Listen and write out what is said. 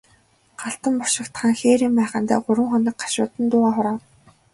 Галдан бошигт хаан хээрийн майхандаа гурван хоног гашуудан дуугаа хураав.